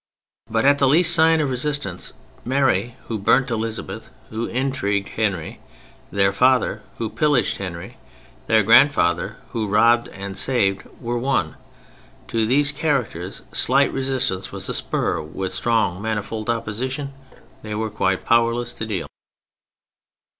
But at the least sign of resistance, Mary who burnt, Elizabeth who intrigued, Henry, their father, who pillaged, Henry, their grandfather, who robbed and saved, were one. To these characters slight resistance was a spur; with strong manifold opposition they were quite powerless to deal.